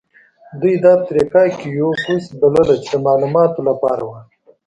دوی دا طریقه کیوپوس بلله چې د معلوماتو لپاره وه.